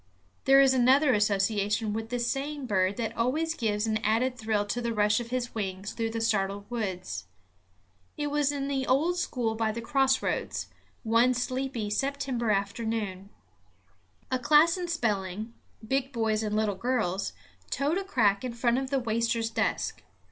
There is another association with this same bird that always gives an added thrill to the rush of his wings through the startled woods. It was in the old school by the cross roads, one sleepy September afternoon. A class in spelling, big boys and little girls, toed a crack in front of the waster's desk.